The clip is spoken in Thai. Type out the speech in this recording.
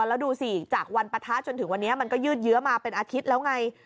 แล้วดูสิจากวันปะทะจนถึงวันนี้มันก็ยืดเยื้อมาเป็นอาทิตย์แล้วไง